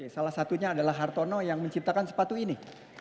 salah satunya adalah hartono yang menciptakan sepatu ini